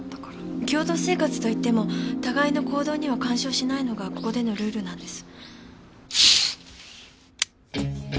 共同生活といっても互いの行動には干渉しないのがここでのルールなんです。